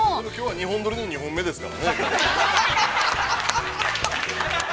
◆２本撮りの２本目ですからね。